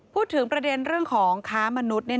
พูดถึงประเด็นเรื่องของค้ามนุษย์